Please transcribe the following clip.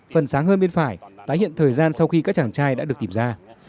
phần sáng hơn bên phải tái hiện thời gian sau khi các chàng trai đã được tìm ra